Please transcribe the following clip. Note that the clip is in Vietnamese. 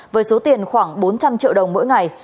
với số tiền khoảng bốn trăm linh triệu đồng mỗi ngày